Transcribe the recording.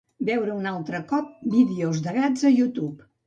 Veure un altre cop vídeos de gats a YouTube.